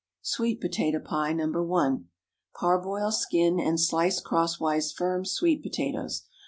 SWEET POTATO PIE (No. 1.) Parboil, skin, and slice crosswise firm sweet potatoes.